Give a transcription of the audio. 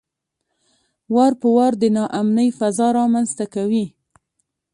وار په وار د ناامنۍ فضا رامنځته کوي.